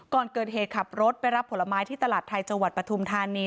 ก่อนเกิดเหตุขับรถไปรับผลไม้ที่ตลาดไทยจังหวัดปฐุมธานี